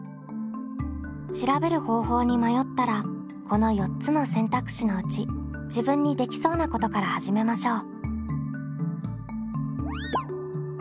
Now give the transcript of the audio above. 調べる方法に迷ったらこの４つの選択肢のうち自分にできそうなことから始めましょう。